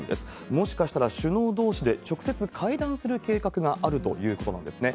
もしかしたら首脳どうしで、直接会談する計画があるということなんですね。